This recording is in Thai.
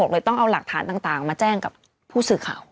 เลยต้องเอาหลักฐานต่างมาแจ้งกับผู้สื่อข่าว